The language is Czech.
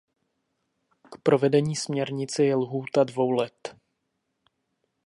K provedení směrnice je lhůta dvou let.